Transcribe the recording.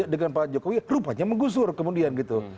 dengan pak jokowi rupanya menggusur kemudian gitu